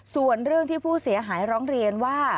ส่วนเรื่องที่ผู้เสียหายร้องเรียนว่า